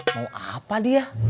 mau apa dia